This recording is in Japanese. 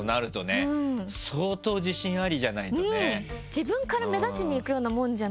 自分から目立ちにいくようなものじゃないですか。